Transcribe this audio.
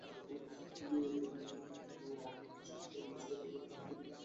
এবারের মেলায় আবুল মোমেনের লেখা ঈশ্বরচন্দ্র বিদ্যাসাগরের জীবনীগ্রন্থ প্রকাশ করেছে প্রথমা প্রকাশন।